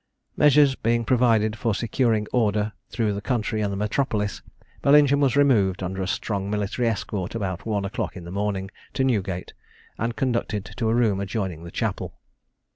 Measures being provided for securing order through the country and the metropolis, Bellingham was removed, under a strong military escort, about one o'clock in the morning, to Newgate, and conducted to a room adjoining the chapel.